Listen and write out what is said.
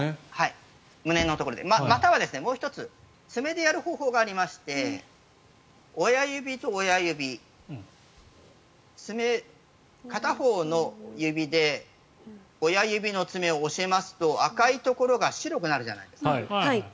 またはもう１つ爪でやる方法がありまして親指と親指、片方の指で親指の爪を押しますと赤いところが白くなるじゃないですか。